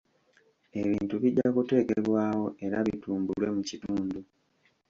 Ebintu bijja kuteekebwawo era bitumbulwe mu kitundu.